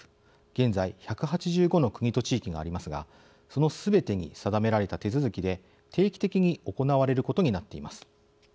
現在、１８５の国と地域がありますがそのすべてに定められた手続きで定期的に行われることになっています。